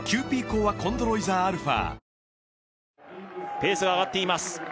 ペースが上がっています